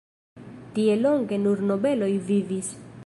Tie longe nur nobeloj vivis.